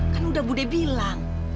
kan udah budde bilang